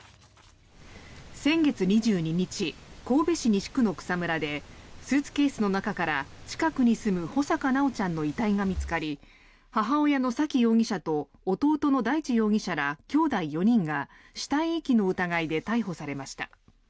先月２２日神戸市西区の草むらでスーツケースの中から近くに住む穂坂修ちゃんの遺体が見つかり母親の沙喜容疑者と弟の大地容疑者らきょうだい４人が死体遺棄の疑いで逮捕されました。